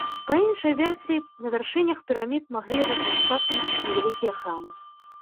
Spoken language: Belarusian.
Па іншай версіі, на вяршынях пірамід маглі размяшчацца невялікія храмы.